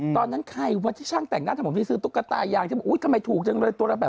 ตอนนั้นใครวัสดิ์ช่างแต่งหน้ามีซื้อนาว่าตุ๊กตายาง